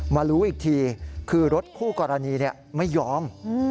รู้อีกทีคือรถคู่กรณีไม่ยอม